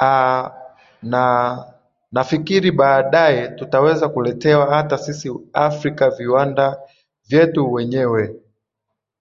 aa na nafikiri baadaye tutaweza kuletewa hata sisi afrika viwanda vyetu wenyewe